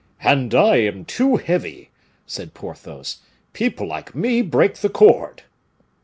"And I am too heavy," said Porthos; "people like me break the cord."